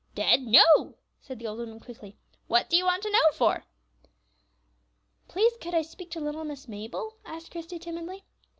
"Dead? No!" said the old woman, quickly. "What do you want to know for?" "Please, could I speak to little Miss Mabel?" asked Christie, timidly.